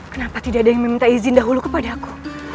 kenapa tidak ada yang meminta izin dahulu kepada aku